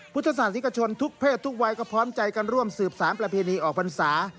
พุทธศาสนิกชนทุกเพศทุกวัยก็พร้อมใจกันร่วมสืบสารประเพณีออกพรรษา